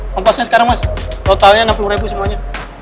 kompasnya sekarang mas totalnya enam puluh ribu semuanya